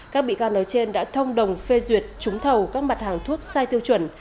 các bị can nói trên đã thông đồng phê duyệt trúng thầu các mặt hàng thuốc sai tiêu chuẩn